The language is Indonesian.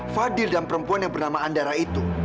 fadil dan perempuan yang bernama andara itu